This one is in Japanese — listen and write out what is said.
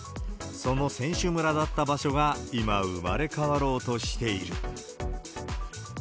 その選手村だった場所が、今、生まれ変わろうとしている。